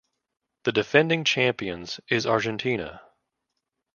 The defending champions is Argentina.